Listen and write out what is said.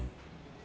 gue gak tahu